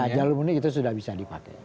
jalur mudik itu sudah bisa dipakai